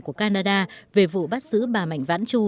của canada về vụ bắt giữ bà mạnh vãn chu